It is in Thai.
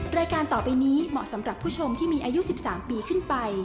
รายการต่อไปนี้เหมาะสำหรับผู้ชมที่มีอายุ๑๓ปีขึ้นไป